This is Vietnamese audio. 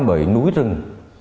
bởi núi rừng